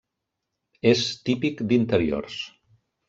És típic d'interiors.